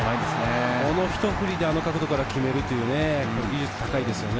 このひと振りであの角度から決める、技術が高いですね。